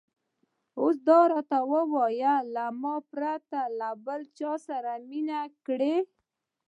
اوس دا راته ووایه، له ما پرته دې له بل چا سره مینه کړې؟